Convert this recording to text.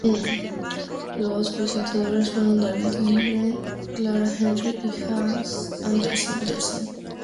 Los presentadores fueron David Lindgren, Clara Henry y Hasse Andersson.